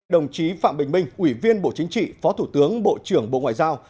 đồng chí phạm bình minh ủy viên bộ chính trị phó thủ tướng bộ trưởng bộ ngoại giao